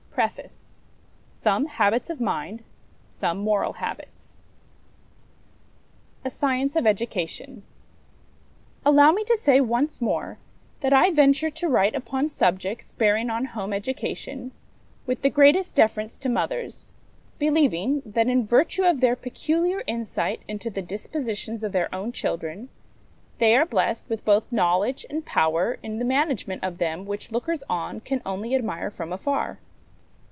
PART IV SOME HABITS OF MIND SOME MORAL HABITS A Science of Education. Allow me to say once more, that I venture to write upon subjects bearing on home education with the greatest deference to mothers; believing, that in virtue of their peculiar insight into the dispositions of their own children, they are blest with both knowledge and power in the management of them which lookers on can only admire from afar.